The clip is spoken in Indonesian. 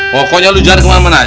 pokoknya lo jangan kemana mana